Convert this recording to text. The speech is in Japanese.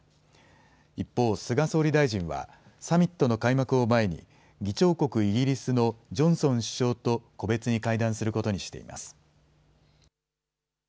一方、菅総理大臣は、サミットの開幕を前に、議長国イギリスのジョンソン首相と個別に会談することにしています。